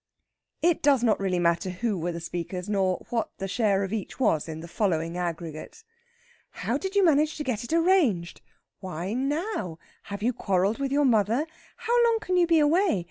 It does not really matter who were the speakers, nor what the share of each was in the following aggregate: "How did you manage to get it arranged?" "Why now? Have you quarrelled with your mother?" "How long can you be away?